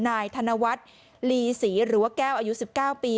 นายธนวัฒน์ลีศรีหรือว่าแก้วอายุ๑๙ปี